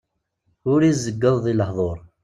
Ur izegged deg lehdur.